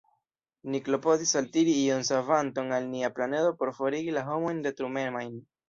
Ni klopodis altiri iun savanton al nia planedo por forigi la homojn detrumemajn.